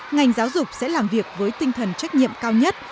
ngành giáo dục sẽ làm việc với tinh thần trách nhiệm cao nhất